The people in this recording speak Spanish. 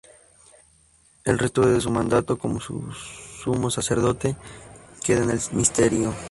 El resto de su mandato como sumo sacerdote queda en el misterio.